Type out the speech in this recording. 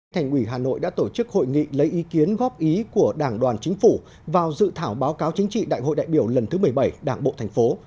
thành ủy hà nội đã tổ chức hội nghị lấy ý kiến góp ý của đảng đoàn chính phủ vào dự thảo báo cáo chính trị đại hội đại biểu lần thứ một mươi bảy đảng bộ thành phố